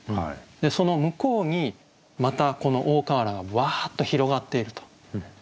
その向こうにまたこの「大河原」がわっと広がっていると。